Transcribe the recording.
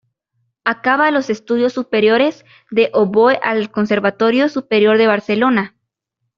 Acaba los estudios superiores de oboe al Conservatorio Superior de Barcelona.